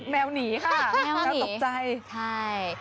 แมวหนีนะคะแมวตกใจ